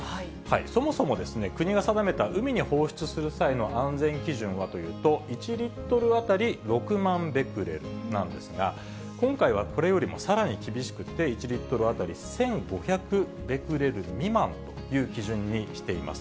そもそも国が定めた海に放出する際の安全基準はというと、１リットル当たり６万ベクレルなんですが、今回はこれよりもさらに厳しくって、１リットル当たり１５００ベクレル未満という基準にしています。